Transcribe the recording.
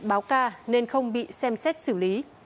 báo ca nên không bị xem xét xử lý